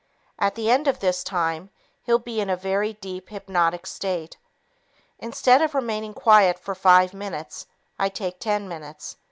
At the end of this time, he'll be in a very deep hypnotic state. Instead of remaining quiet for five minutes, I take ten minutes.